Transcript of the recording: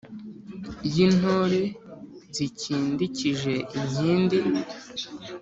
Y'intore zikindikije inkindi